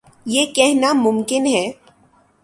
یہ کہنا ممکن ہے۔